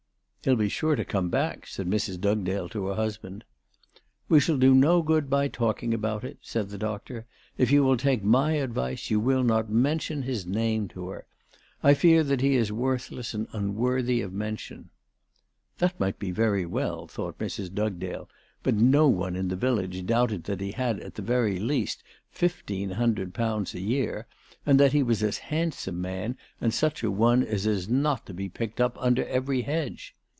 " He'll be sure to come back," said Mrs Dugdale to her husband. ""We shall do no good by talking about it," said the doctor. "If you will take my advice, you will not mention his name to her. I fear that he is worthless and unworthy of mention." That might be very well, thought Mrs. Dugdale ; but no one in the village doubted that he had at the very least 1,500 a year, and that he was a handsome man, and such a one as is not to be picked up under every hedge.